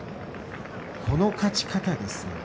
この勝ち方ですよね。